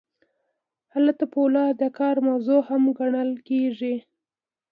هلته فولاد د کار موضوع هم ګڼل کیږي.